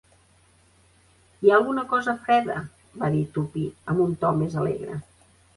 "Hi ha alguna cosa freda", va dir Tuppy, amb un to més alegre.